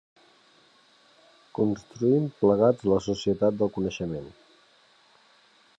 Construïm plegats la societat del coneixement.